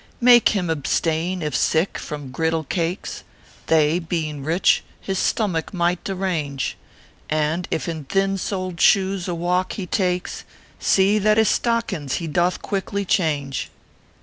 Make him abstain, if sick, from griddle cakes They, being rich, his stomach might derange And if in thin soled shoes a walk he takes, See that his stockings he doth quickly change.